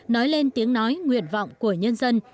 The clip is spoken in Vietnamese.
nói lên tiếng nói nguyện vọng